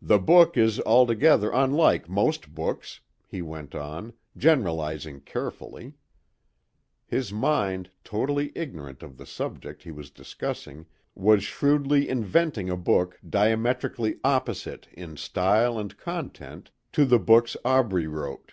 "The book is altogether unlike most books," he went on, generalizing carefully. His mind, totally ignorant of the subject he was discussing, was shrewdly inventing a book diametrically opposite in style and content to the books Aubrey wrote.